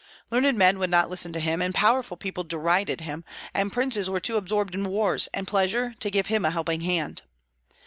Learned men would not listen to him, and powerful people derided him, and princes were too absorbed in wars and pleasure to give him a helping hand.